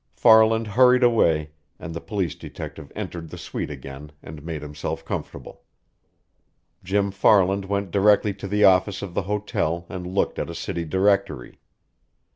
Farland hurried away, and the police detective entered the suite again and made himself comfortable. Jim Farland went directly to the office of the hotel and looked at a city directory.